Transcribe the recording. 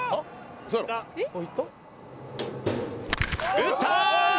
打った！